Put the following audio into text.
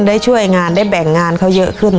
ได้ช่วยงานได้แบ่งงานเขาเยอะขึ้น